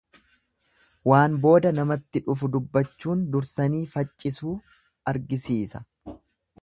Waan booda namatti dhufu hubachuun dursani faccisuu argisiisa.